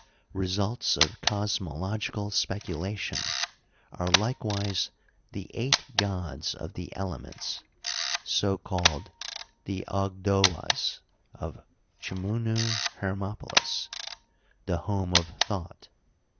Results of cosmological speculation are likewise the " eight gods of the elements, so called— the ogdoas of ChmunU'Hermopolis, the home of Thot.